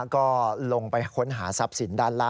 ก็ลงไปค้นหาทรัพย์สินด้านล่าง